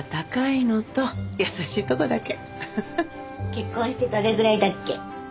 結婚してどれぐらいだっけ？